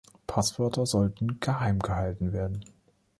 Passwörter sollten geheim gehalten werden.